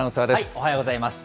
おはようございます。